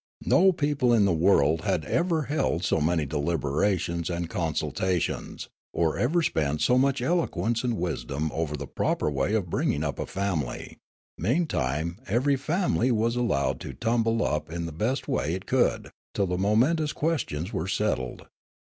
No people in the world had ever held so many deliberations and consultations, or ever spent so much eloquence and wisdom over the proper way of bringing up a family ; meantime every family was allowed to tumble up in the best way it could, till the momentous questions were settled.